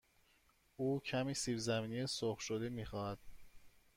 او کمی سیب زمینی سرخ شده می خواهد.